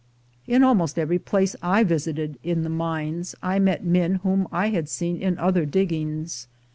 In almost every place I visited in the mines, I met men whom I had seen in other diggings.